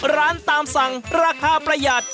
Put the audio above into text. ร้านตามสั่งราคาประหยัด